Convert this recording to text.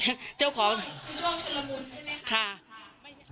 คุณช่องเฉลอบุญใช่ไหม